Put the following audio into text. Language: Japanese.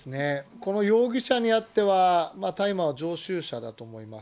この容疑者にあっては、大麻常習者だと思います。